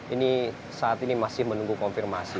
ini saat ini masih menunggu konfirmasi